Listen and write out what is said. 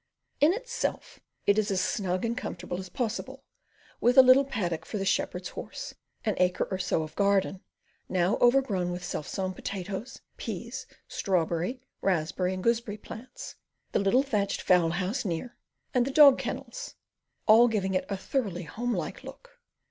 In itself it was as snug and comfortable as possible, with a little paddock for the shepherd's horse, an acre or so of garden, now overgrown with self sown potatoes, peas, strawberry, raspberry, and gooseberry plants, the little thatched fowl house near, and the dog kennels; all giving it a thoroughly home like look.